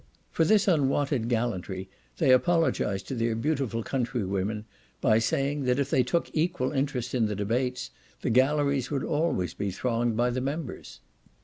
For this unwonted gallantry they apologized to their beautiful countrywomen by saying, that if they took equal interest in the debates, the galleries would be always thronged by the members.